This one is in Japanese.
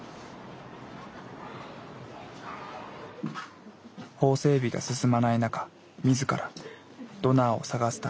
法整備が進まない中自らドナーを探すため動き始めた。